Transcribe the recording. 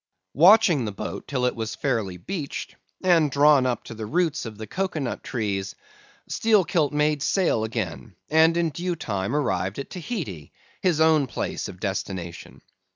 "Watching the boat till it was fairly beached, and drawn up to the roots of the cocoa nut trees, Steelkilt made sail again, and in due time arrived at Tahiti, his own place of destination.